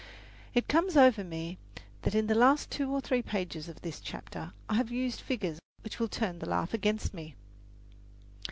It comes over me that in the last two or three pages of this chapter I have used figures which will turn the laugh against me.